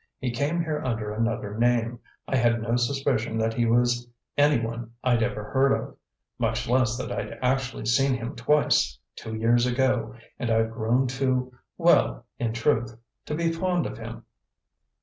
He came here under another name; I had no suspicion that he was any one I'd ever heard of, much less that I'd actually seen him twice, two years ago, and I've grown to well, in truth, to be fond of him."